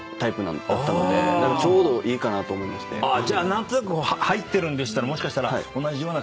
何となく入ってるんでしたらもしかしたら。